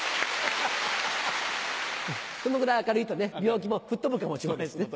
そのぐらい明るいと病気も吹っ飛ぶかもしれませんね。